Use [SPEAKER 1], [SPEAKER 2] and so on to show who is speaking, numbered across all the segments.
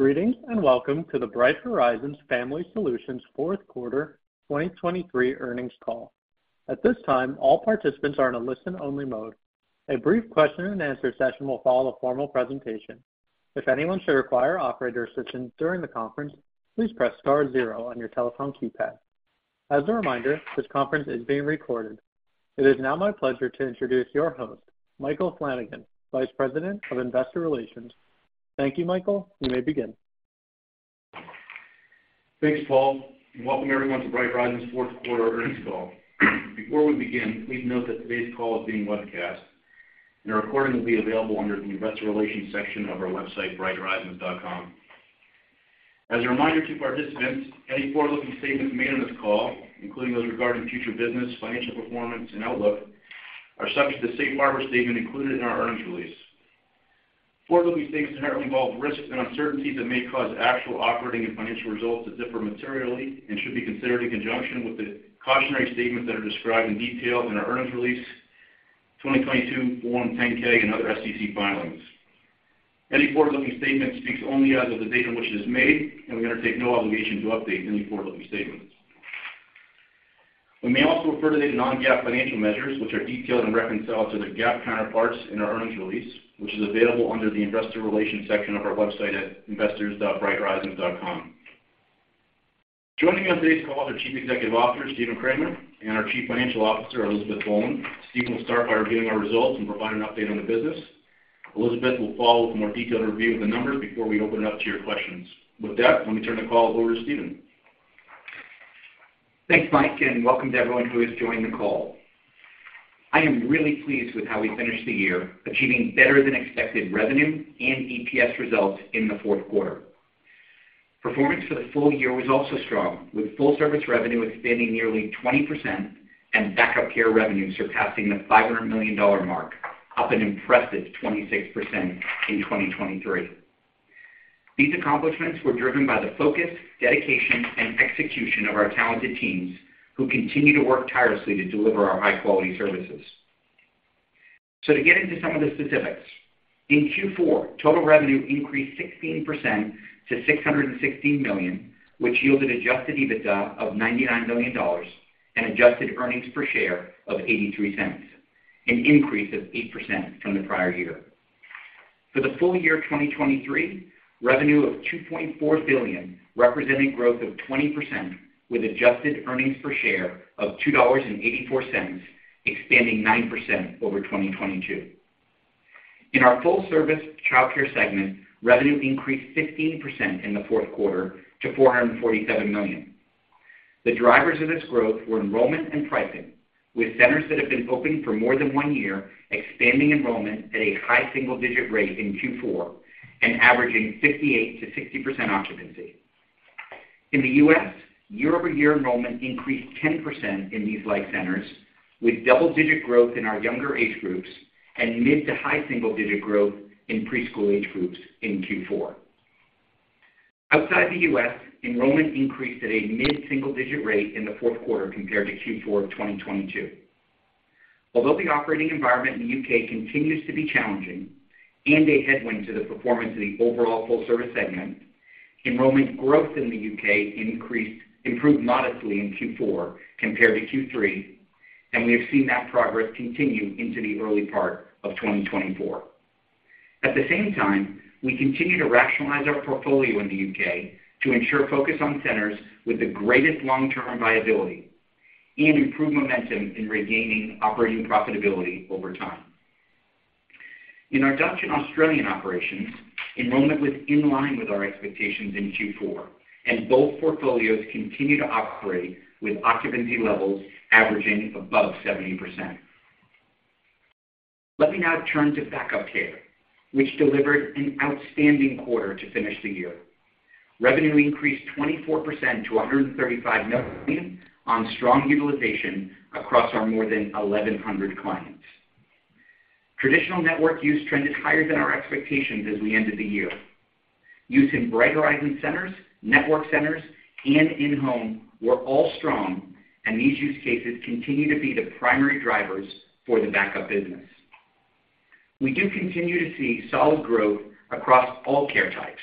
[SPEAKER 1] Greetings and welcome to the Bright Horizons Family Solutions Fourth Quarter 2023 Earnings Call. At this time, all participants are in a listen-only mode. A brief question-and-answer session will follow the formal presentation. If anyone should require operator assistance during the conference, please press star zero on your telephone keypad. As a reminder, this conference is being recorded. It is now my pleasure to introduce your host, Michael Flanagan, Vice President of Investor Relations. Thank you, Michael. You may begin.
[SPEAKER 2] Thanks, Paul. Welcome everyone to Bright Horizons' fourth quarter earnings call. Before we begin, please note that today's call is being webcast, and the recording will be available under the Investor Relations section of our website, brighthorizons.com. As a reminder to participants, any forward-looking statements made on this call, including those regarding future business, financial performance, and outlook, are subject to the Safe Harbor Statement included in our earnings release. Forward-looking statements inherently involve risks and uncertainties that may cause actual operating and financial results to differ materially and should be considered in conjunction with the cautionary statements that are described in detail in our earnings release 2022 Form 10-K, and other SEC filings. Any forward-looking statement speaks only as of the date in which it is made, and we undertake no obligation to update any forward-looking statements. We may also refer to non-GAAP financial measures, which are detailed and reconciled to their GAAP counterparts in our earnings release, which is available under the Investor Relations section of our website at investors.brighthorizons.com. Joining me on today's call is our Chief Executive Officer, Stephen Kramer, and our Chief Financial Officer, Elizabeth Boland. Stephen will start by reviewing our results and provide an update on the business. Elizabeth will follow with a more detailed review of the numbers before we open it up to your questions. With that, let me turn the call over to Stephen.
[SPEAKER 3] Thanks, Mike, and welcome to everyone who has joined the call. I am really pleased with how we finished the year, achieving better-than-expected revenue and EPS results in the fourth quarter. Performance for the full year was also strong, with full-service revenue expanding nearly 20% and Back-Up Care revenue surpassing the $500 million mark, up an impressive 26% in 2023. These accomplishments were driven by the focus, dedication, and execution of our talented teams who continue to work tirelessly to deliver our high-quality services. So to get into some of the specifics, in Q4, total revenue increased 16% to $616 million, which yielded adjusted EBITDA of $99 million and adjusted earnings per share of $0.83, an increase of 8% from the prior year. For the full year 2023, revenue of $2.4 billion represented growth of 20% with adjusted earnings per share of $2.84, expanding 9% over 2022. In our full-service childcare segment, revenue increased 15% in the fourth quarter to $447 million. The drivers of this growth were enrollment and pricing, with centers that have been open for more than one year expanding enrollment at a high single-digit rate in Q4 and averaging 58%-60% occupancy. In the U.S., year-over-year enrollment increased 10% in these like centers, with double-digit growth in our younger age groups and mid- to high-single-digit growth in preschool age groups in Q4. Outside the U.S., enrollment increased at a mid-single-digit rate in the fourth quarter compared to Q4 of 2022. Although the operating environment in the U.K. continues to be challenging and a headwind to the performance of the overall full-service segment, enrollment growth in the U.K. improved modestly in Q4 compared to Q3, and we have seen that progress continue into the early part of 2024. At the same time, we continue to rationalize our portfolio in the U.K. to ensure focus on centers with the greatest long-term viability and improve momentum in regaining operating profitability over time. In our Dutch and Australian operations, enrollment was in line with our expectations in Q4, and both portfolios continue to operate with occupancy levels averaging above 70%. Let me now turn to Back-Up Care, which delivered an outstanding quarter to finish the year. Revenue increased 24% to $135 million on strong utilization across our more than 1,100 clients. Traditional network use trended higher than our expectations as we ended the year. Use in Bright Horizons centers, network centers, and in-home were all strong, and these use cases continue to be the primary drivers for the backup business. We do continue to see solid growth across all care types.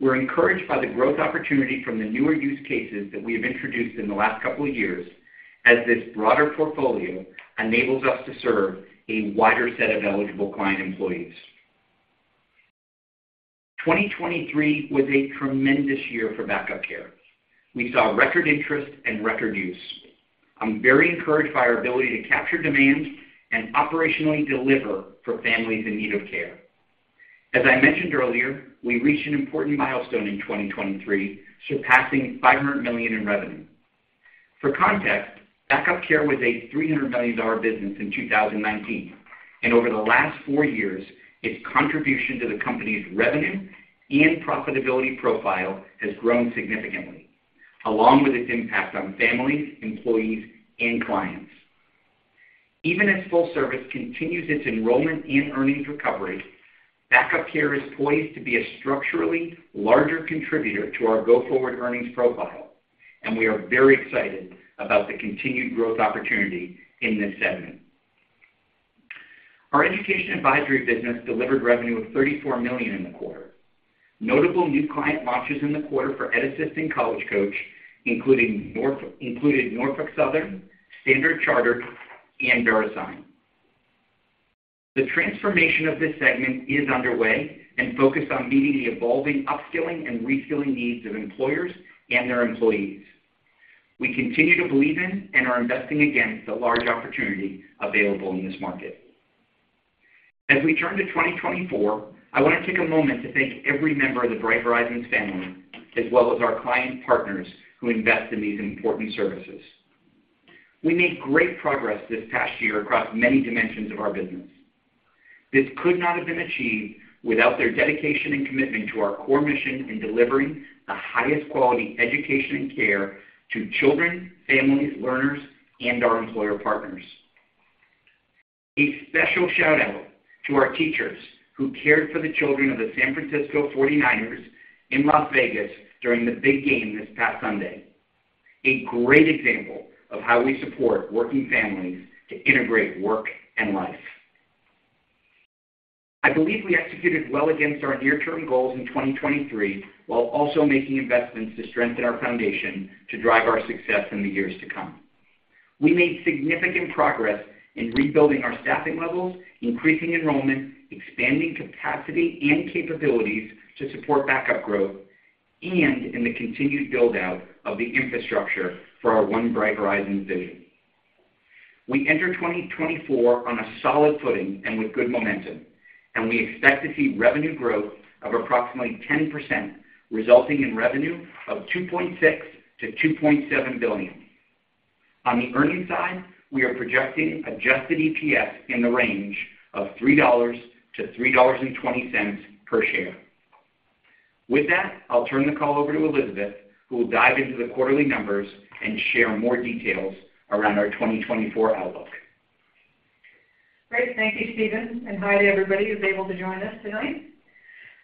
[SPEAKER 3] We're encouraged by the growth opportunity from the newer use cases that we have introduced in the last couple of years as this broader portfolio enables us to serve a wider set of eligible client employees. 2023 was a tremendous year for Back-Up Care. We saw record interest and record use. I'm very encouraged by our ability to capture demand and operationally deliver for families in need of care. As I mentioned earlier, we reached an important milestone in 2023, surpassing $500 million in revenue. For context, Back-Up Care was a $300 million business in 2019, and over the last four years, its contribution to the company's revenue and profitability profile has grown significantly, along with its impact on families, employees, and clients. Even as full-service continues its enrollment and earnings recovery, Back-Up Care is poised to be a structurally larger contributor to our go-forward earnings profile, and we are very excited about the continued growth opportunity in this segment. Our Education Advisory business delivered revenue of $34 million in the quarter. Notable new client launches in the quarter for EdAssist and College Coach, including Norfolk Southern, Standard Chartered, and VeriSign. The transformation of this segment is underway and focused on meeting the evolving upskilling and reskilling needs of employers and their employees. We continue to believe in and are investing against the large opportunity available in this market. As we turn to 2024, I want to take a moment to thank every member of the Bright Horizons family as well as our client partners who invest in these important services. We made great progress this past year across many dimensions of our business. This could not have been achieved without their dedication and commitment to our core mission in delivering the highest quality education and care to children, families, learners, and our employer partners. A special shout-out to our teachers who cared for the children of the San Francisco 49ers in Las Vegas during the big game this past Sunday. A great example of how we support working families to integrate work and life. I believe we executed well against our near-term goals in 2023 while also making investments to strengthen our foundation to drive our success in the years to come. We made significant progress in rebuilding our staffing levels, increasing enrollment, expanding capacity and capabilities to support backup growth, and in the continued build-out of the infrastructure for our One Bright Horizons vision. We enter 2024 on a solid footing and with good momentum, and we expect to see revenue growth of approximately 10%, resulting in revenue of $2.6 billion-$2.7 billion. On the earnings side, we are projecting adjusted EPS in the range of $3-$3.20 per share. With that, I'll turn the call over to Elizabeth, who will dive into the quarterly numbers and share more details around our 2024 outlook.
[SPEAKER 4] Great. Thank you, Stephen, and hi to everybody who's able to join us tonight.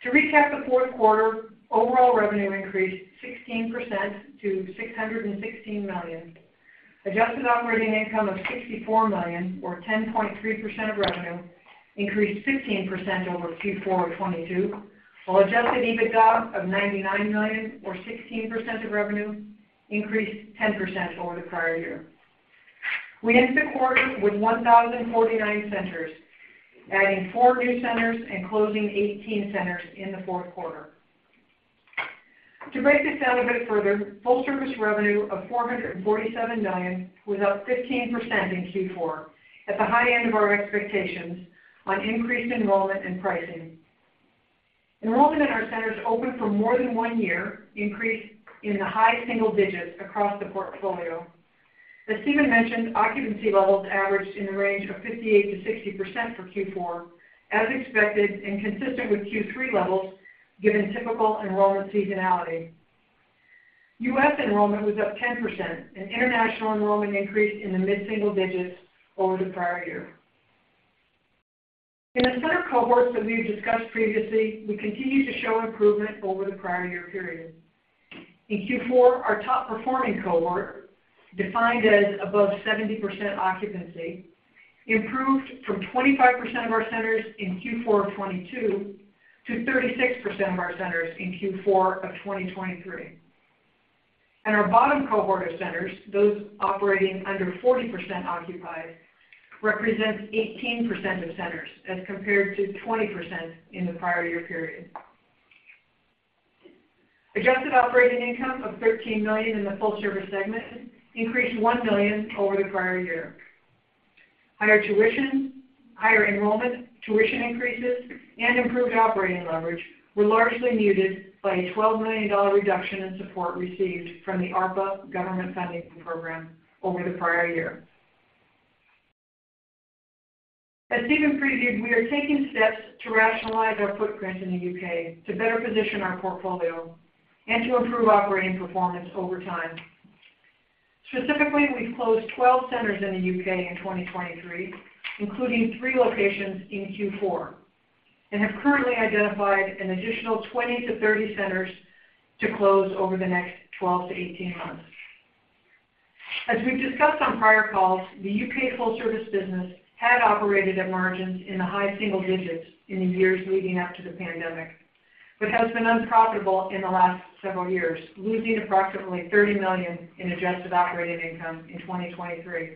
[SPEAKER 4] To recap the fourth quarter, overall revenue increased 16% to $616 million. Adjusted operating income of $64 million, or 10.3% of revenue, increased 15% over Q4 of 2022, while adjusted EBITDA of $99 million, or 16% of revenue, increased 10% over the prior year. We end the quarter with 1,049 centers, adding four new centers and closing 18 centers in the fourth quarter. To break this down a bit further, full-service revenue of $447 million was up 15% in Q4, at the high end of our expectations on increased enrollment and pricing. Enrollment in our centers open for more than one year increased in the high single digits across the portfolio. As Stephen mentioned, occupancy levels averaged in the range of 58%-60% for Q4, as expected and consistent with Q3 levels given typical enrollment seasonality. U.S. enrollment was up 10%, and international enrollment increased in the mid-single digits over the prior year. In the center cohorts that we have discussed previously, we continue to show improvement over the prior year period. In Q4, our top-performing cohort, defined as above 70% occupancy, improved from 25% of our centers in Q4 of 2022 to 36% of our centers in Q4 of 2023. Our bottom cohort of centers, those operating under 40% occupied, represents 18% of centers as compared to 20% in the prior year period. Adjusted operating income of $13 million in the full-service segment increased $1 million over the prior year. Higher tuition, higher enrollment, tuition increases, and improved operating leverage were largely muted by a $12 million reduction in support received from the ARPA government funding program over the prior year. As Stephen previewed, we are taking steps to rationalize our footprint in the U.K. to better position our portfolio and to improve operating performance over time. Specifically, we've closed 12 centers in the U.K. in 2023, including three locations in Q4, and have currently identified an additional 20-30 centers to close over the next 12-18 months. As we've discussed on prior calls, the U.K. full-service business had operated at margins in the high single digits in the years leading up to the pandemic but has been unprofitable in the last several years, losing approximately $30 million in adjusted operating income in 2023.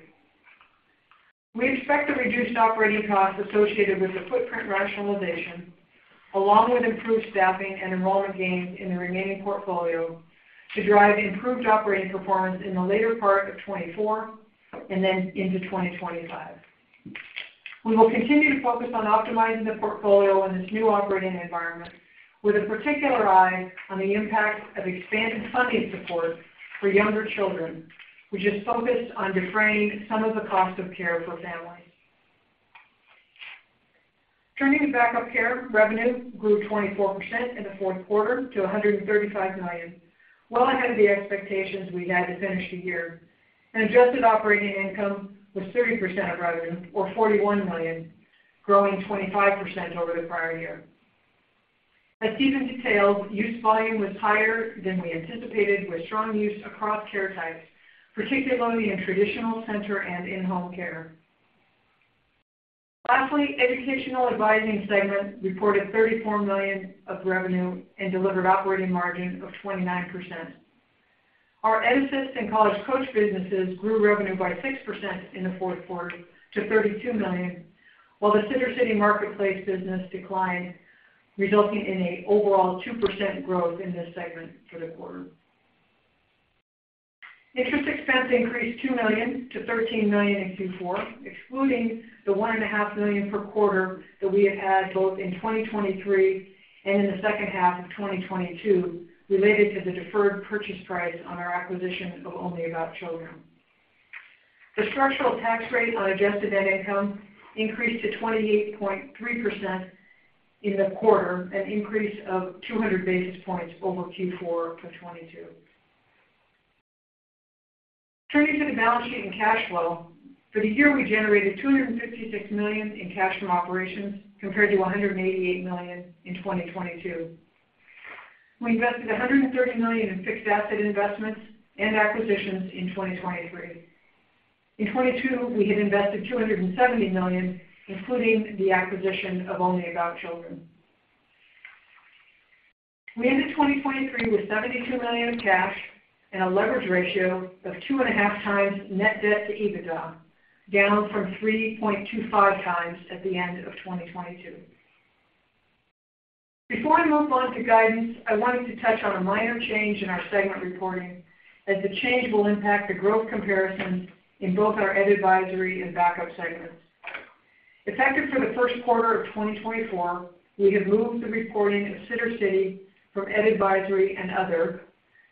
[SPEAKER 4] We expect the reduced operating costs associated with the footprint rationalization, along with improved staffing and enrollment gains in the remaining portfolio, to drive improved operating performance in the later part of 2024 and then into 2025. We will continue to focus on optimizing the portfolio in this new operating environment with a particular eye on the impact of expanded funding support for younger children, which is focused on defraying some of the cost of care for families. Turning to Back-Up Care, revenue grew 24% in the fourth quarter to $135 million, well ahead of the expectations we had to finish the year, and adjusted operating income was 30% of revenue, or $41 million, growing 25% over the prior year. As Stephen detailed, use volume was higher than we anticipated with strong use across care types, particularly in traditional center and in-home care. Lastly, Educational Advisory segment reported $34 million of revenue and delivered operating margin of 29%. Our EdAssist and College Coach businesses grew revenue by 6% in the fourth quarter to $32 million, while the Sittercity marketplace business declined, resulting in an overall 2% growth in this segment for the quarter. Interest expense increased $2 million to $13 million in Q4, excluding the $1.5 million per quarter that we have had both in 2023 and in the second half of 2022 related to the deferred purchase price on our acquisition of Only About Children. The structural tax rate on adjusted net income increased to 28.3% in the quarter, an increase of 200 basis points over Q4 of 2022. Turning to the balance sheet and cash flow, for the year, we generated $256 million in cash from operations compared to $188 million in 2022. We invested $130 million in fixed asset investments and acquisitions in 2023. In 2022, we had invested $270 million, including the acquisition of Only About Children. We ended 2023 with $72 million of cash and a leverage ratio of 2.5x net debt-to-EBITDA, down from 3.25x at the end of 2022. Before I move on to guidance, I wanted to touch on a minor change in our segment reporting as the change will impact the growth comparisons in both our Education Advisory and Back-Up segments. Effective for the first quarter of 2024, we have moved the reporting of Sittercity from Education Advisory and other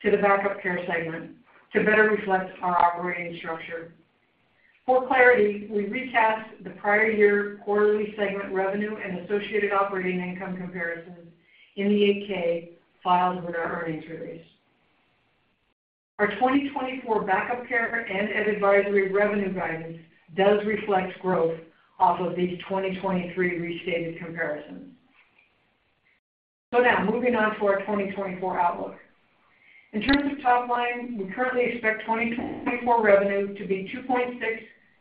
[SPEAKER 4] to the Back-Up Care segment to better reflect our operating structure. For clarity, we recast the prior year quarterly segment revenue and associated operating income comparisons in the 8-K filed with our earnings release. Our 2024 Back-Up Care and EdAssist revenue guidance does reflect growth off of these 2023 restated comparisons. So now, moving on to our 2024 outlook. In terms of top line, we currently expect 2024 revenue to be $2.6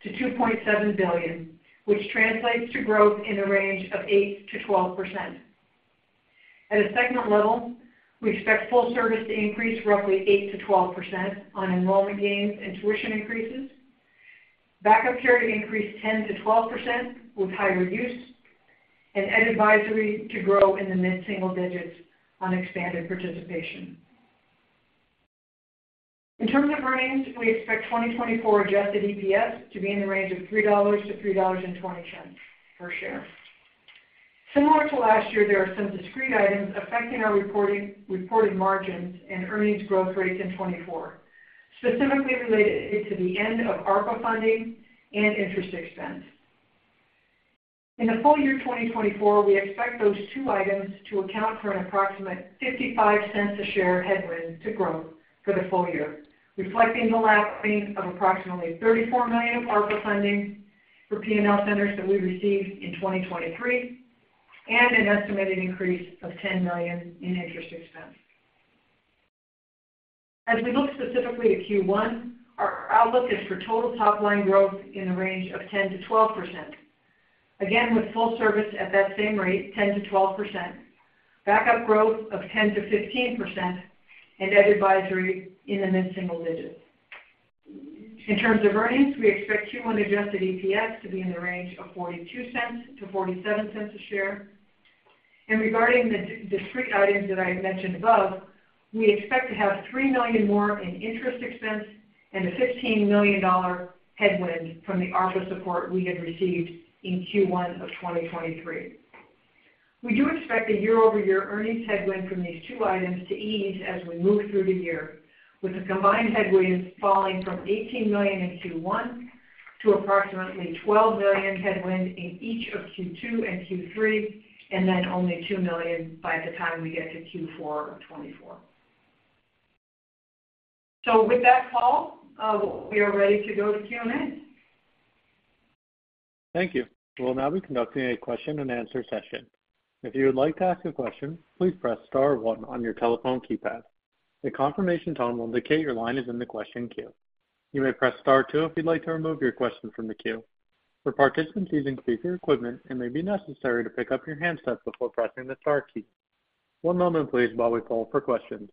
[SPEAKER 4] billion-$2.7 billion, which translates to growth in the range of 8%-12%. At a segment level, we expect full-service to increase roughly 8%-12% on enrollment gains and tuition increases, Back-Up Care to increase 10%-12% with higher use, and EdAssist to grow in the mid-single digits on expanded participation. In terms of earnings, we expect 2024 adjusted EPS to be in the range of $3-$3.20 per share. Similar to last year, there are some discrete items affecting our reported margins and earnings growth rates in 2024, specifically related to the end of ARPA funding and interest expense. In the full year 2024, we expect those two items to account for an approximate $0.55 a share headwind to growth for the full year, reflecting the last claims of approximately $34 million of ARPA funding for P&L centers that we received in 2023 and an estimated increase of $10 million in interest expense. As we look specifically to Q1, our outlook is for total top line growth in the range of 10%-12%, again with full-service at that same rate, 10%-12%, backup growth of 10%-15%, and Ed Advisory in the mid-single digits. In terms of earnings, we expect Q1 adjusted EPS to be in the range of $0.42-$0.47 a share. Regarding the discrete items that I mentioned above, we expect to have $3 million more in interest expense and a $15 million headwind from the ARPA support we had received in Q1 of 2023. We do expect the year-over-year earnings headwind from these two items to ease as we move through the year, with the combined headwind falling from $18 million in Q1 to approximately $12 million headwind in each of Q2 and Q3, and then only $2 million by the time we get to Q4 of 2024. So with that call, we are ready to go to Q&A.
[SPEAKER 1] Thank you. We'll now be conducting a question-and-answer session. If you would like to ask a question, please press star one on your telephone keypad. The confirmation tone will indicate your line is in the question queue. You may press star two if you'd like to remove your question from the queue. For participants using speaker equipment, it may be necessary to pick up your handset before pressing the star key. One moment, please, while we poll for questions.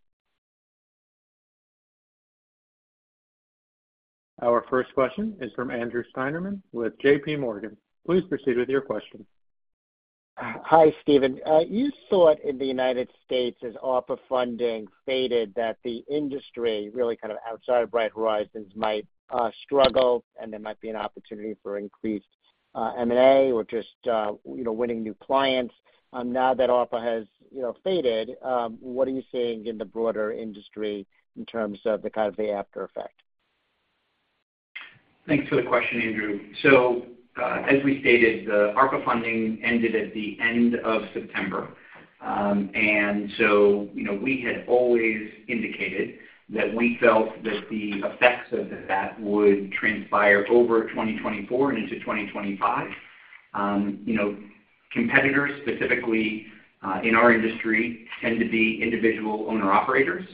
[SPEAKER 1] Our first question is from Andrew Steinerman with JP Morgan. Please proceed with your question.
[SPEAKER 5] Hi, Stephen. You saw it in the United States as ARPA funding faded, that the industry really kind of outside of Bright Horizons might struggle, and there might be an opportunity for increased M&A or just winning new clients. Now that ARPA has faded, what are you seeing in the broader industry in terms of the kind of the aftereffect?
[SPEAKER 3] Thanks for the question, Andrew. So as we stated, the ARPA funding ended at the end of September. And so we had always indicated that we felt that the effects of that would transpire over 2024 and into 2025. Competitors, specifically in our industry, tend to be individual owner-operators.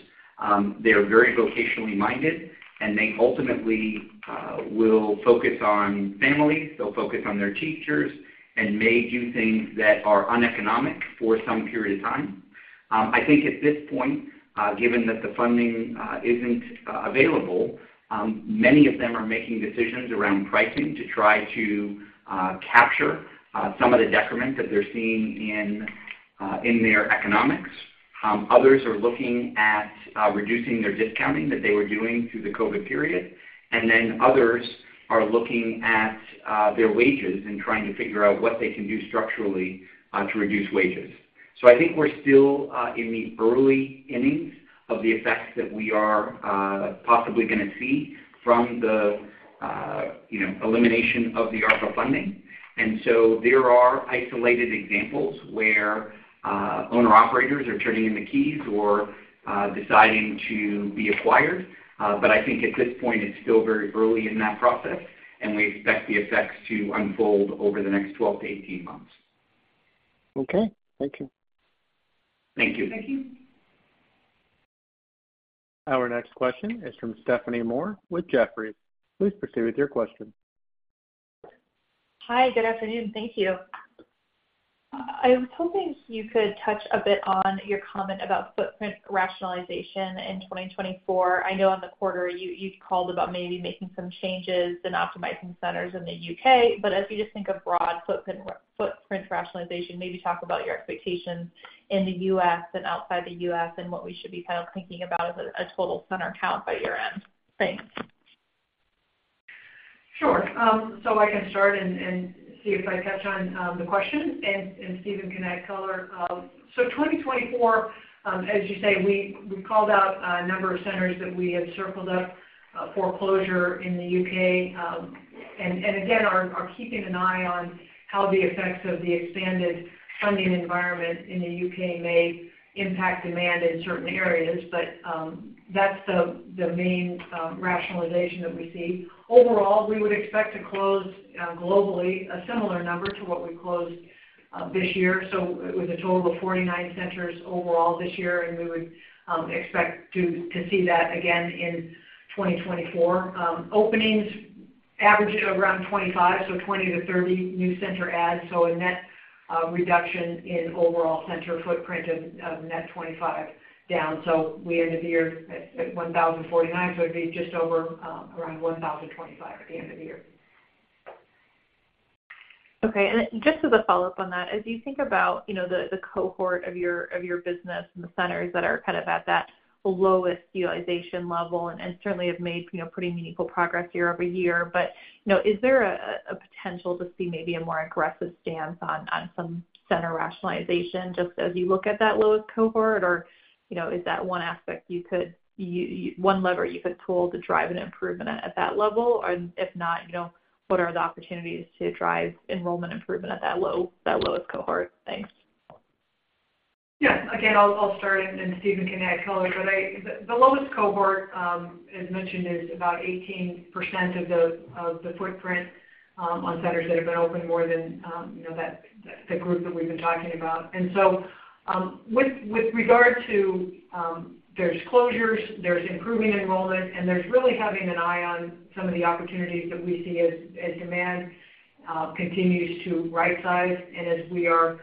[SPEAKER 3] They are very vocationally minded, and they ultimately will focus on families. They'll focus on their teachers and may do things that are uneconomic for some period of time. I think at this point, given that the funding isn't available, many of them are making decisions around pricing to try to capture some of the decrement that they're seeing in their economics. Others are looking at reducing their discounting that they were doing through the COVID period. And then others are looking at their wages and trying to figure out what they can do structurally to reduce wages. So I think we're still in the early innings of the effects that we are possibly going to see from the elimination of the ARPA funding. And so there are isolated examples where owner-operators are turning in the keys or deciding to be acquired. But I think at this point, it's still very early in that process, and we expect the effects to unfold over the next 12-18 months.
[SPEAKER 5] Okay. Thank you.
[SPEAKER 3] Thank you.
[SPEAKER 4] Thank you.
[SPEAKER 1] Our next question is from Stephanie Moore with Jefferies. Please proceed with your question.
[SPEAKER 6] Hi. Good afternoon. Thank you. I was hoping you could touch a bit on your comment about footprint rationalization in 2024. I know on the quarter, you'd called about maybe making some changes and optimizing centers in the U.K. But as you just think of broad footprint rationalization, maybe talk about your expectations in the U.S. and outside the U.S. and what we should be kind of thinking about as a total center count by your end. Thanks.
[SPEAKER 4] Sure. So I can start and see if I touch on the question, and Stephen can add color. So 2024, as you say, we've called out a number of centers that we had circled up for closure in the U.K. And again, we're keeping an eye on how the effects of the expanded funding environment in the U.K. may impact demand in certain areas, but that's the main rationalization that we see. Overall, we would expect to close globally a similar number to what we closed this year, so with a total of 49 centers overall this year. And we would expect to see that again in 2024. Openings average around 25, so 20-30 new center adds, so a net reduction in overall center footprint of net 25 down. We ended the year at 1,049, so it'd be just over around 1,025 at the end of the year.
[SPEAKER 6] Okay. And just as a follow-up on that, as you think about the cohort of your business and the centers that are kind of at that lowest utilization level and certainly have made pretty meaningful progress year-over-year, but is there a potential to see maybe a more aggressive stance on some center rationalization just as you look at that lowest cohort? Or is that one lever you could pull to drive an improvement at that level? And if not, what are the opportunities to drive enrollment improvement at that lowest cohort? Thanks.
[SPEAKER 4] Yeah. Again, I'll start, and Stephen can add color. But the lowest cohort, as mentioned, is about 18% of the footprint on centers that have been open more than the group that we've been talking about. And so with regard to, there's closures, there's improving enrollment, and there's really having an eye on some of the opportunities that we see as demand continues to right-size. And as we are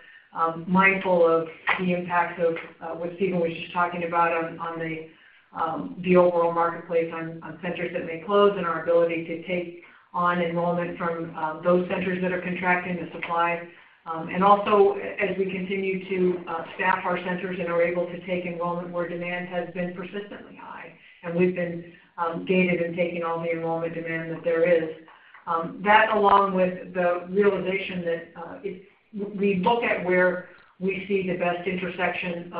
[SPEAKER 4] mindful of the impacts of what Stephen was just talking about on the overall marketplace on centers that may close and our ability to take on enrollment from those centers that are contracting the supply. And also, as we continue to staff our centers and are able to take enrollment where demand has been persistently high, and we've been gated in taking all the enrollment demand that there is, that along with the realization that we look at where we see the best intersection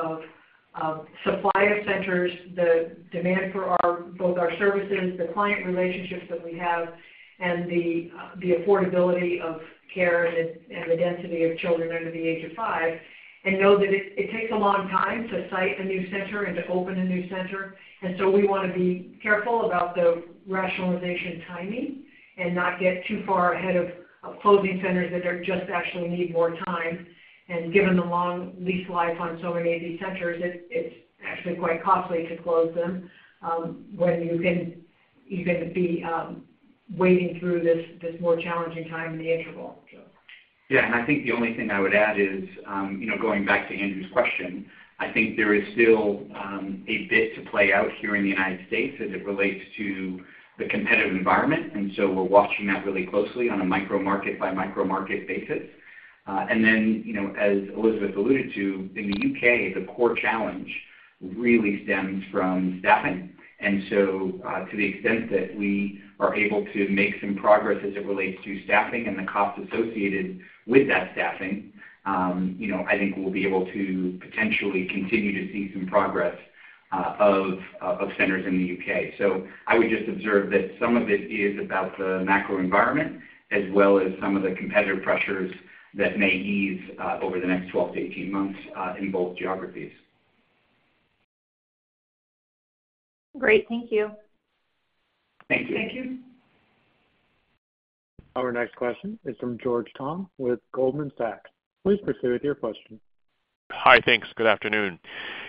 [SPEAKER 4] of supply of centers, the demand for both our services, the client relationships that we have, and the affordability of care and the density of children under the age of five, and know that it takes a long time to site a new center and to open a new center. So we want to be careful about the rationalization timing and not get too far ahead of closing centers that just actually need more time. Given the long lease life on so many of these centers, it's actually quite costly to close them when you can be waiting through this more challenging time in the interval, so.
[SPEAKER 3] Yeah. And I think the only thing I would add is, going back to Andrew's question, I think there is still a bit to play out here in the United States as it relates to the competitive environment. And so we're watching that really closely on a micro-market-by-micro-market basis. And then, as Elizabeth alluded to, in the U.K., the core challenge really stems from staffing. And so to the extent that we are able to make some progress as it relates to staffing and the cost associated with that staffing, I think we'll be able to potentially continue to see some progress of centers in the U.K. So I would just observe that some of it is about the macro environment as well as some of the competitive pressures that may ease over the next 12-18 months in both geographies.
[SPEAKER 6] Great. Thank you.
[SPEAKER 3] Thank you.
[SPEAKER 4] Thank you.
[SPEAKER 1] Our next question is from George Tong with Goldman Sachs. Please proceed with your question.
[SPEAKER 7] Hi. Thanks. Good afternoon.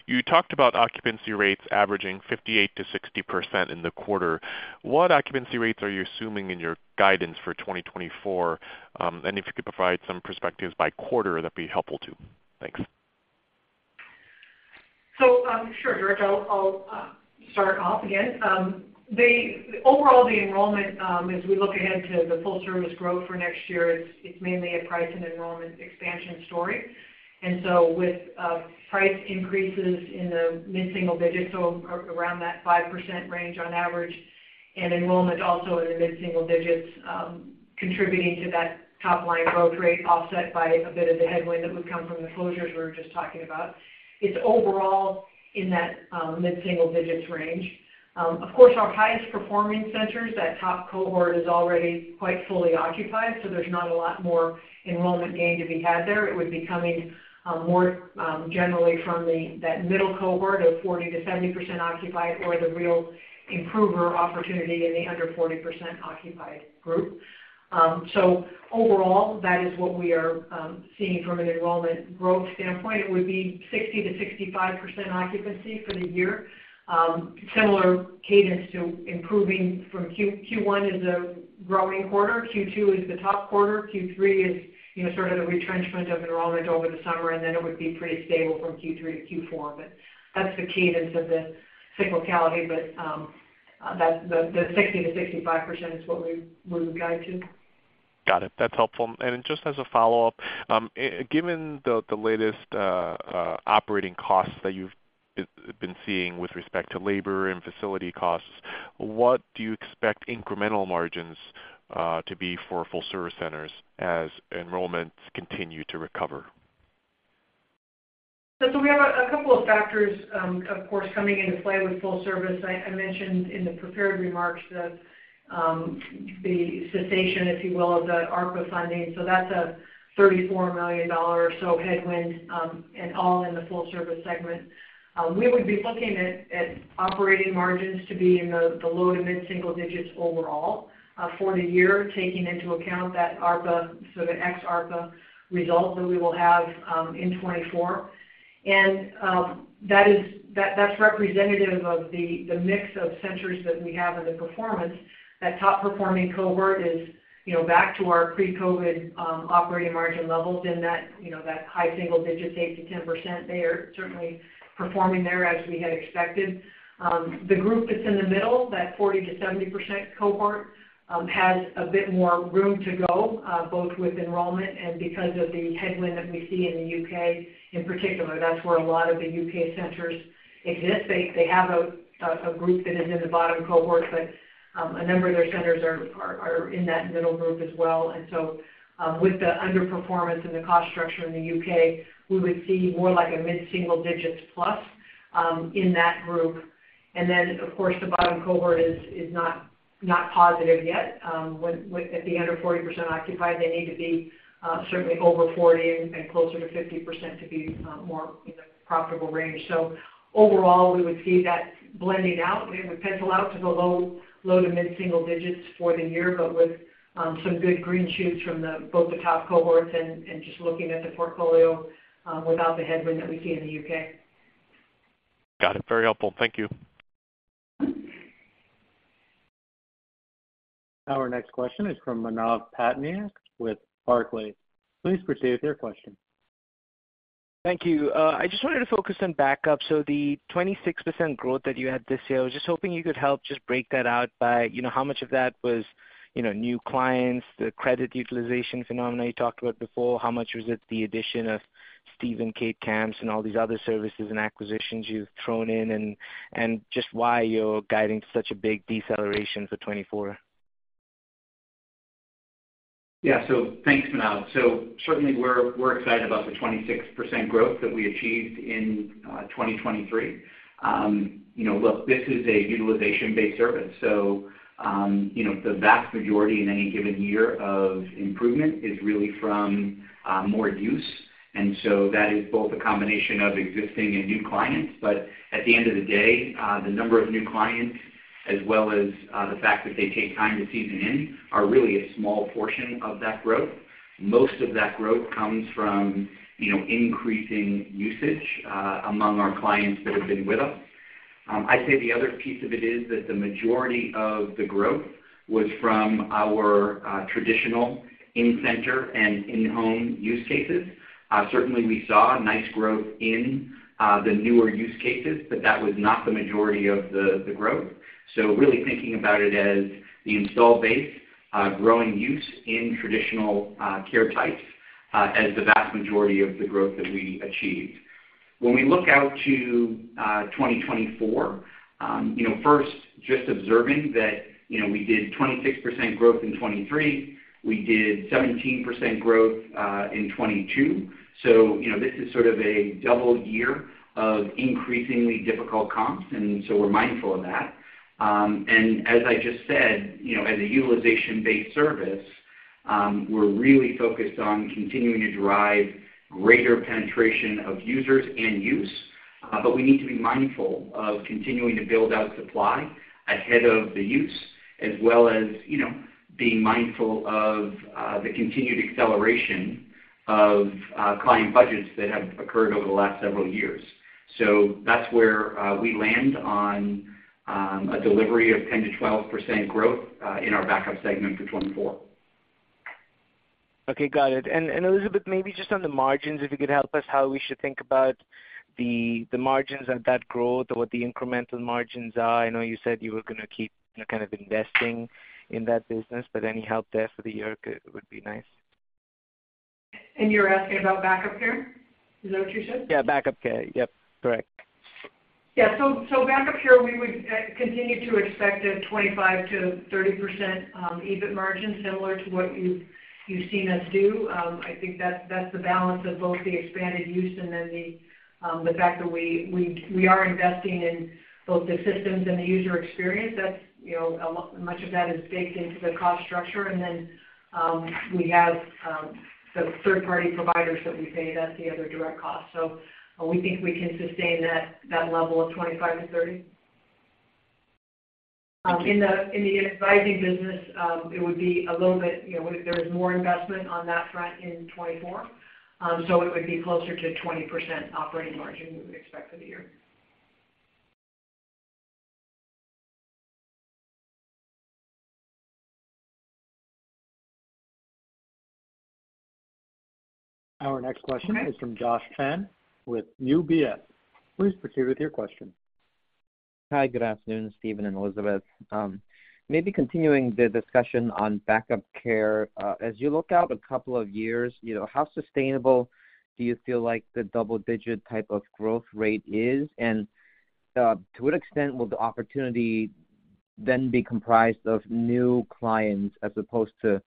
[SPEAKER 7] You talked about occupancy rates averaging 58%-60% in the quarter. What occupancy rates are you assuming in your guidance for 2024? And if you could provide some perspectives by quarter, that'd be helpful too. Thanks.
[SPEAKER 4] So sure, George. I'll start off again. Overall, the enrollment, as we look ahead to the full-service growth for next year, it's mainly a price and enrollment expansion story. And so with price increases in the mid-single digits, so around that 5% range on average, and enrollment also in the mid-single digits contributing to that top line growth rate offset by a bit of the headwind that would come from the closures we were just talking about, it's overall in that mid-single digits range. Of course, our highest-performing centers, that top cohort, is already quite fully occupied, so there's not a lot more enrollment gain to be had there. It would be coming more generally from that middle cohort of 40%-70% occupied or the real improver opportunity in the under 40% occupied group. So overall, that is what we are seeing from an enrollment growth standpoint. It would be 60%-65% occupancy for the year, similar cadence to improving from Q1 is a growing quarter. Q2 is the top quarter. Q3 is sort of the retrenchment of enrollment over the summer, and then it would be pretty stable from Q3 to Q4. But that's the cadence of the cyclicality. But the 60%-65% is what we would guide to.
[SPEAKER 7] Got it. That's helpful. And just as a follow-up, given the latest operating costs that you've been seeing with respect to labor and facility costs, what do you expect incremental margins to be for full-service centers as enrollment continues to recover?
[SPEAKER 4] So we have a couple of factors, of course, coming into play with full-service. I mentioned in the prepared remarks the cessation, if you will, of the ARPA funding. So that's a $34 million or so headwind, and all in the full-service segment. We would be looking at operating margins to be in the low to mid-single digits overall for the year, taking into account that ARPA, sort of ex-ARPA results that we will have in 2024. And that's representative of the mix of centers that we have in the performance. That top-performing cohort is back to our pre-COVID operating margin levels in that high single digits, 8%-10%. They are certainly performing there as we had expected. The group that's in the middle, that 40%-70% cohort, has a bit more room to go both with enrollment and because of the headwind that we see in the U.K. in particular. That's where a lot of the U.K. centers exist. They have a group that is in the bottom cohort, but a number of their centers are in that middle group as well. And so with the underperformance and the cost structure in the U.K., we would see more like a mid-single digits plus in that group. And then, of course, the bottom cohort is not positive yet. At the under 40% occupied, they need to be certainly over 40% and closer to 50% to be more in the profitable range. So overall, we would see that blending out. It would pencil out to the low to mid-single digits for the year, but with some good green shoots from both the top cohorts and just looking at the portfolio without the headwind that we see in the UK.
[SPEAKER 7] Got it. Very helpful. Thank you.
[SPEAKER 1] Our next question is from Manav Patnaik with Barclays. Please proceed with your question.
[SPEAKER 8] Thank you. I just wanted to focus on Back-Up. So the 26% growth that you had this year, I was just hoping you could help just break that out by how much of that was new clients, the credit utilization phenomena you talked about before, how much was it the addition of Steve & Kate's Camp, and all these other services and acquisitions you've thrown in, and just why you're guiding such a big deceleration for 2024.
[SPEAKER 3] Yeah. So thanks, Manav. So certainly, we're excited about the 26% growth that we achieved in 2023. Look, this is a utilization-based service. So the vast majority in any given year of improvement is really from more use. And so that is both a combination of existing and new clients. But at the end of the day, the number of new clients as well as the fact that they take time to season in are really a small portion of that growth. Most of that growth comes from increasing usage among our clients that have been with us. I'd say the other piece of it is that the majority of the growth was from our traditional in-center and in-home use cases. Certainly, we saw nice growth in the newer use cases, but that was not the majority of the growth. So really thinking about it as the install-base, growing use in traditional care types as the vast majority of the growth that we achieved. When we look out to 2024, first, just observing that we did 26% growth in 2023. We did 17% growth in 2022. So this is sort of a double year of increasingly difficult comps, and so we're mindful of that. And as I just said, as a utilization-based service, we're really focused on continuing to drive greater penetration of users and use. But we need to be mindful of continuing to build out supply ahead of the use as well as being mindful of the continued acceleration of client budgets that have occurred over the last several years. So that's where we land on a delivery of 10%-12% growth in our backup segment for 2024.
[SPEAKER 8] Okay. Got it. And Elizabeth, maybe just on the margins, if you could help us, how we should think about the margins of that growth or what the incremental margins are. I know you said you were going to keep kind of investing in that business, but any help there for the year would be nice.
[SPEAKER 4] You're asking about Back-Up Care? Is that what you said?
[SPEAKER 8] Yeah. Back-Up Care. Yep. Correct.
[SPEAKER 4] Yeah. So Back-Up Care, we would continue to expect a 25%-30% EBIT margin similar to what you've seen us do. I think that's the balance of both the expanded use and then the fact that we are investing in both the systems and the user experience. Much of that is baked into the cost structure. And then we have the third-party providers that we pay. That's the other direct cost. So we think we can sustain that level of 25%-30%. In the advising business, it would be a little bit there is more investment on that front in 2024, so it would be closer to 20% operating margin we would expect for the year.
[SPEAKER 1] Our next question is from Josh Chan with UBS. Please proceed with your question.
[SPEAKER 9] Hi. Good afternoon, Stephen and Elizabeth. Maybe continuing the discussion on Back-Up Care, as you look out a couple of years, how sustainable do you feel like the double-digit type of growth rate is? And to what extent will the opportunity then be comprised of new clients as opposed to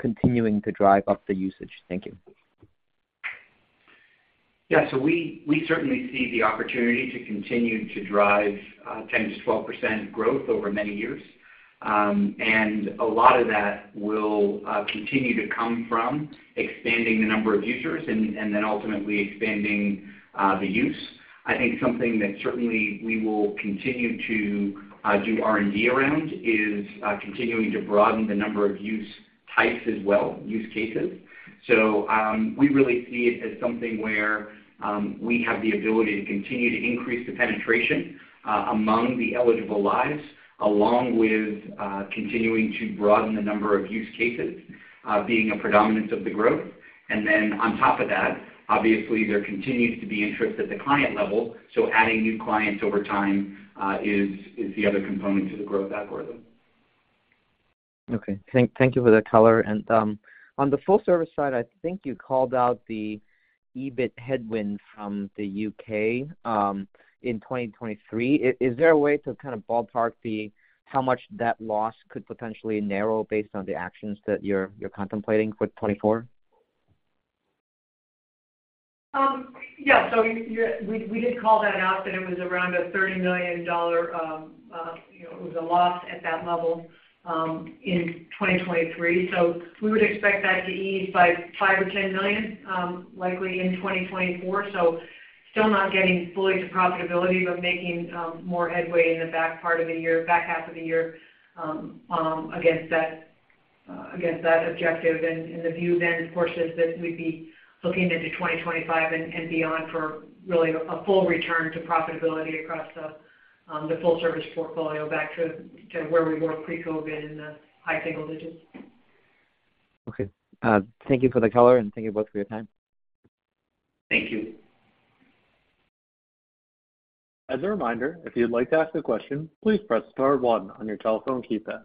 [SPEAKER 9] continuing to drive up the usage? Thank you.
[SPEAKER 3] Yeah. So we certainly see the opportunity to continue to drive 10%-12% growth over many years. And a lot of that will continue to come from expanding the number of users and then ultimately expanding the use. I think something that certainly we will continue to do R&D around is continuing to broaden the number of use types as well, use cases. So we really see it as something where we have the ability to continue to increase the penetration among the eligible lives, along with continuing to broaden the number of use cases being a predominance of the growth. And then on top of that, obviously, there continues to be interest at the client level. So adding new clients over time is the other component to the growth algorithm.
[SPEAKER 9] Okay. Thank you for that color. And on the full-service side, I think you called out the EBIT headwind from the U.K. in 2023. Is there a way to kind of ballpark how much that loss could potentially narrow based on the actions that you're contemplating for 2024?
[SPEAKER 4] Yeah. So we did call that out that it was around a $30 million. It was a loss at that level in 2023. So we would expect that to ease by $5 million-$10 million, likely in 2024. So still not getting fully to profitability, but making more headway in the back half of the year against that objective. And the view then, of course, is that we'd be looking into 2025 and beyond for really a full return to profitability across the full-service portfolio back to where we were pre-COVID in the high single digits.
[SPEAKER 9] Okay. Thank you for the color, and thank you both for your time.
[SPEAKER 3] Thank you.
[SPEAKER 1] As a reminder, if you'd like to ask a question, please press star one on your telephone keypad.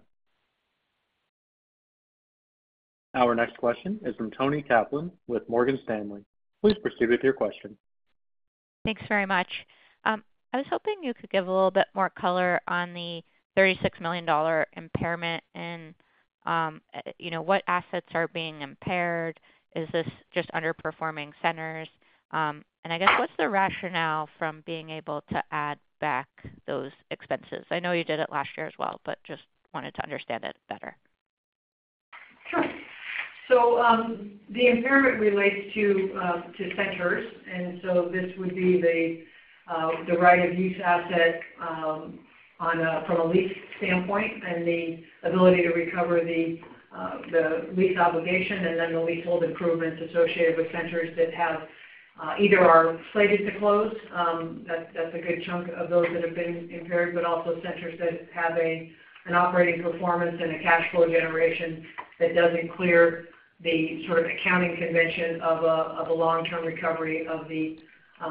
[SPEAKER 1] Our next question is from Toni Kaplan with Morgan Stanley. Please proceed with your question.
[SPEAKER 10] Thanks very much. I was hoping you could give a little bit more color on the $36 million impairment and what assets are being impaired. Is this just underperforming centers? And I guess what's the rationale from being able to add back those expenses? I know you did it last year as well, but just wanted to understand it better.
[SPEAKER 4] Sure. So the impairment relates to centers. And so this would be the right-of-use asset from a lease standpoint and the ability to recover the lease obligation and then the leasehold improvements associated with centers that either are slated to close—that's a good chunk of those that have been impaired—but also centers that have an operating performance and a cash flow generation that doesn't clear the sort of accounting convention of a long-term recovery of the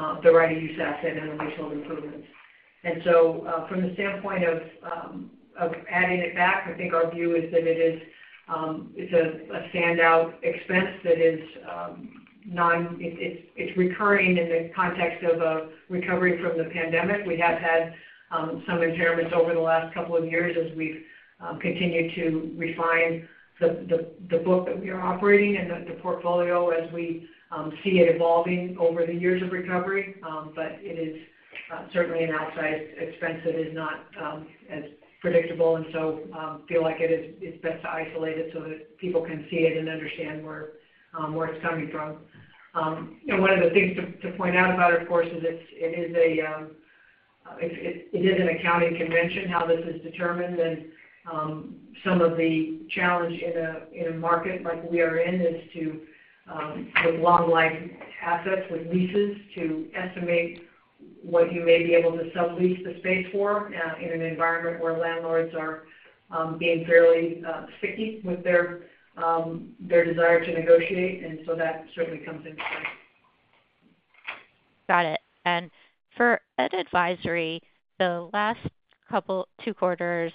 [SPEAKER 4] right-of-use asset and the leasehold improvements. And so from the standpoint of adding it back, I think our view is that it's a standout expense that is non-recurring in the context of recovery from the pandemic. We have had some impairments over the last couple of years as we've continued to refine the book that we are operating and the portfolio as we see it evolving over the years of recovery. But it is certainly an outsized expense that is not as predictable. And so I feel like it's best to isolate it so that people can see it and understand where it's coming from. One of the things to point out about it, of course, is that it is an accounting convention, how this is determined. And some of the challenge in a market like we are in is to, with long-life assets, with leases, to estimate what you may be able to sublease the space for in an environment where landlords are being fairly sticky with their desire to negotiate. And so that certainly comes into play.
[SPEAKER 10] Got it. And for Ed Advisory, the last two quarters,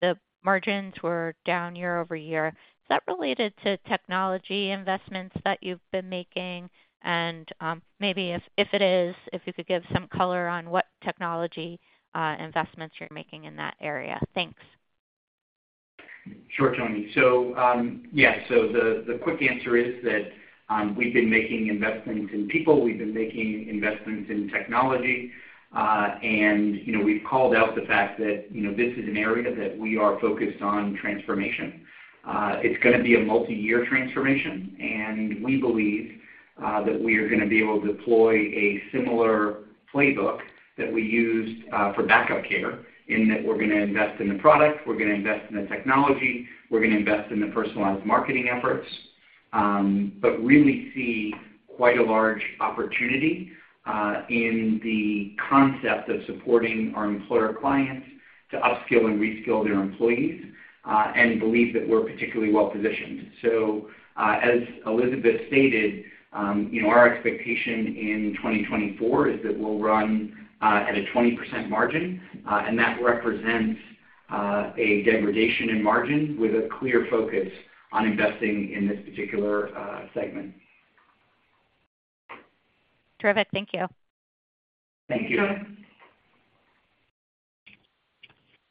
[SPEAKER 10] the margins were down year-over-year. Is that related to technology investments that you've been making? And maybe if it is, if you could give some color on what technology investments you're making in that area. Thanks.
[SPEAKER 3] Sure, Toni. So yeah. So the quick answer is that we've been making investments in people. We've been making investments in technology. And we've called out the fact that this is an area that we are focused on transformation. It's going to be a multi-year transformation. And we believe that we are going to be able to deploy a similar playbook that we used for Back-Up Care in that we're going to invest in the product. We're going to invest in the technology. We're going to invest in the personalized marketing efforts, but really see quite a large opportunity in the concept of supporting our employer clients to upskill and reskill their employees and believe that we're particularly well-positioned. So as Elizabeth stated, our expectation in 2024 is that we'll run at a 20% margin. That represents a degradation in margin with a clear focus on investing in this particular segment.
[SPEAKER 10] Terrific. Thank you.
[SPEAKER 3] Thank you.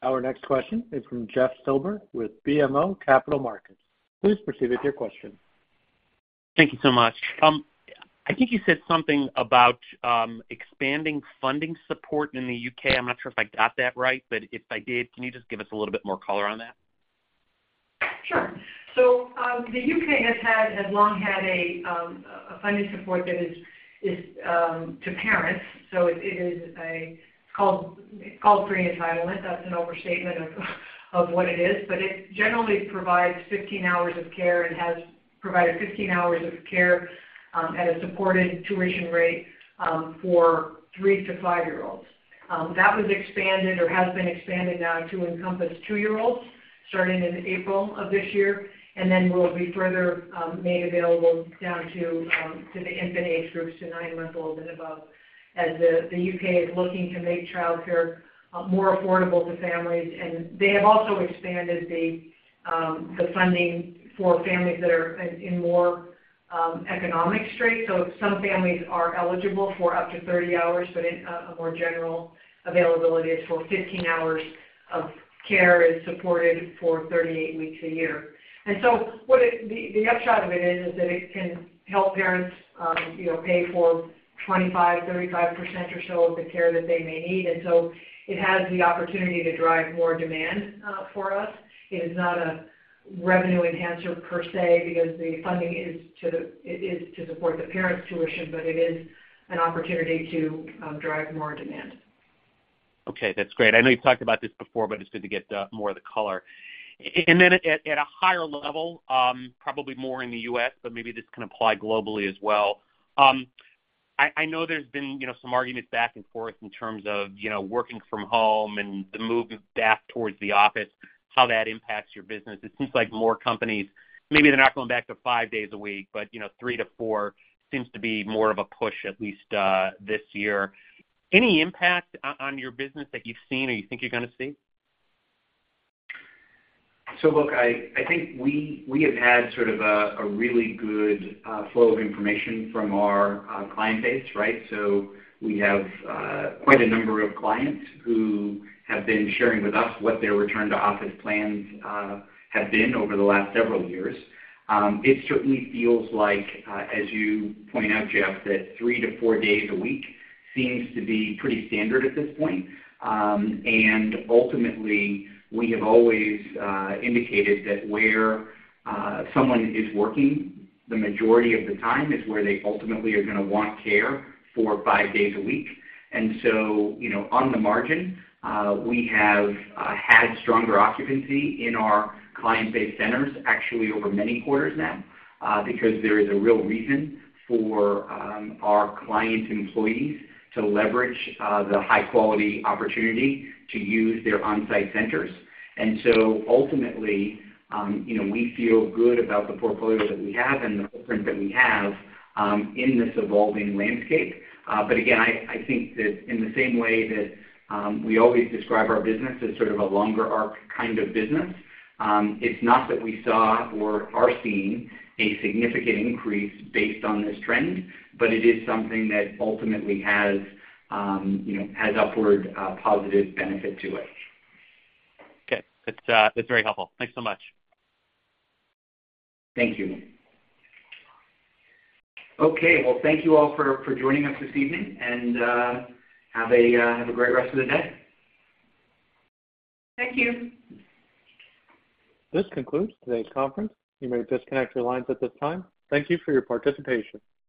[SPEAKER 4] Thanks, Toni.
[SPEAKER 1] Our next question is from Jeff Silber with BMO Capital Markets. Please proceed with your question.
[SPEAKER 11] Thank you so much. I think you said something about expanding funding support in the U.K. I'm not sure if I got that right. But if I did, can you just give us a little bit more color on that?
[SPEAKER 4] Sure. So the U.K. has long had a funding support that is to parents. So it's called Free Entitlement. That's an overstatement of what it is. But it generally provides 15 hours of care and has provided 15 hours of care at a supported tuition rate for three- to five-year-olds. That was expanded or has been expanded now to encompass two-year-olds starting in April of this year and then will be further made available down to the infant age groups to nine months old and above as the U.K. is looking to make childcare more affordable to families. And they have also expanded the funding for families that are in more economic straits. So some families are eligible for up to 30 hours, but a more general availability is for 15 hours of care is supported for 38 weeks a year. The upshot of it is that it can help parents pay for 25%, 35% or so of the care that they may need. It has the opportunity to drive more demand for us. It is not a revenue enhancer per se because the funding is to support the parents' tuition, but it is an opportunity to drive more demand.
[SPEAKER 11] Okay. That's great. I know you've talked about this before, but it's good to get more of the color. Then at a higher level, probably more in the U.S., but maybe this can apply globally as well. I know there's been some arguments back and forth in terms of working from home and the move back towards the office, how that impacts your business. It seems like more companies maybe they're not going back to five days a week, but three to four seems to be more of a push, at least this year. Any impact on your business that you've seen or you think you're going to see?
[SPEAKER 3] So look, I think we have had sort of a really good flow of information from our client base, right? So we have quite a number of clients who have been sharing with us what their return-to-office plans have been over the last several years. It certainly feels like, as you point out, Jeff, that three to four days a week seems to be pretty standard at this point. And ultimately, we have always indicated that where someone is working the majority of the time is where they ultimately are going to want care for five days a week. And so on the margin, we have had stronger occupancy in our client-based centers actually over many quarters now because there is a real reason for our client employees to leverage the high-quality opportunity to use their on-site centers. Ultimately, we feel good about the portfolio that we have and the footprint that we have in this evolving landscape. Again, I think that in the same way that we always describe our business as sort of a longer-arc kind of business, it's not that we saw or are seeing a significant increase based on this trend, but it is something that ultimately has upward positive benefit to it.
[SPEAKER 11] Okay. That's very helpful. Thanks so much.
[SPEAKER 3] Thank you. Okay. Well, thank you all for joining us this evening, and have a great rest of the day.
[SPEAKER 4] Thank you.
[SPEAKER 1] This concludes today's conference. You may disconnect your lines at this time. Thank you for your participation.